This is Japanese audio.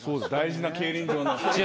大事な競輪場の。